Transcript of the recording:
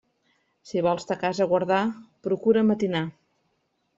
Si vols ta casa guardar, procura matinar.